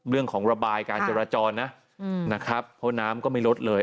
ระบายการจราจรนะนะครับเพราะน้ำก็ไม่ลดเลย